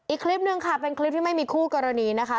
อีกคลิปนึงค่ะเป็นคลิปที่ไม่มีคู่กรณีนะคะ